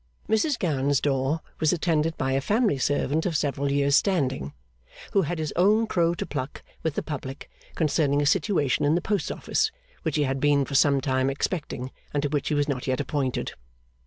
Mrs Gowan's door was attended by a family servant of several years' standing, who had his own crow to pluck with the public concerning a situation in the Post Office which he had been for some time expecting, and to which he was not yet appointed.